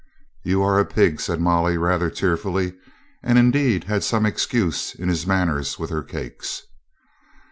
"You are a pig," said Molly rather tearfully, and indeed had some excuse in his manners with her cakes.